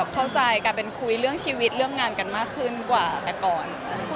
เข้าใจกลายเป็นคุยเรื่องชีวิตเรื่องงานกันมากขึ้นกว่าแต่ก่อน